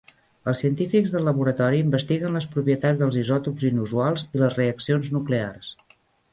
Els científics del laboratori investiguen les propietats dels isòtops inusuals i les reaccions nuclears.